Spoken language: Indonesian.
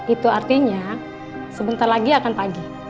itu artinya sebentar lagi akan pagi